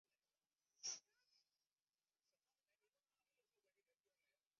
热带气旋警告信号最初之用意主要是为了方便航海人士。